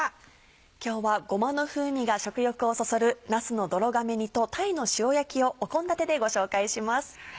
今日はごまの風味が食欲をそそるなすの泥亀煮と鯛の塩焼きを献立でご紹介します。